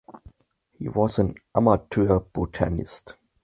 He was an amateur botanist.